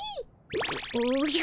おおじゃ。